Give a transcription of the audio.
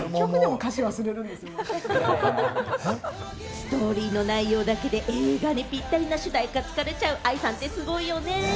ストーリーの内容だけじゃなくて、映画にぴったりな歌詞を作れちゃうＡＩさんって、すごいよね。